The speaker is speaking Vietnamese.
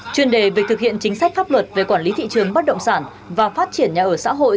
chuyên đề về thực hiện chính sách pháp luật về quản lý thị trường bất động sản và phát triển nhà ở xã hội